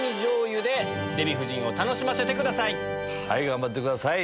頑張ってください。